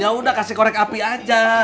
yaudah kasih korek api aja